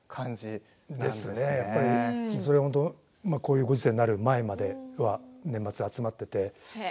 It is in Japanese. そうですねこういうご時世になる前までは年末集まっていて。